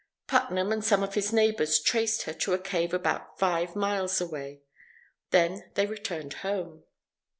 Putnam and some of his neighbours traced her to a cave about five miles away. Then they returned home.